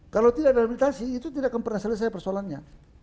kalau tidak rehabilitasi itu tidak akan pernah selesai persoalannya